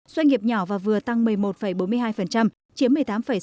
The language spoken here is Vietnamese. doanh nghiệp nhỏ và vừa tăng một mươi một bốn mươi hai chiếm một mươi tám sáu mươi bảy